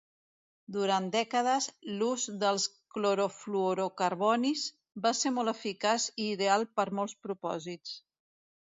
Durant dècades, l'ús dels clorofluorocarbonis va ser molt eficaç i ideal per molts propòsits.